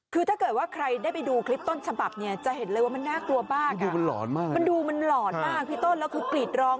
คือถ้าเกิดว่าใครได้ไปดูคลิปต้นฉบับเนี่ยจะเห็นเลยว่ามันน่ากลัวมากดูมันหลอนมากมันดูมันหลอนมากพี่ต้นแล้วคือกรีดร้อง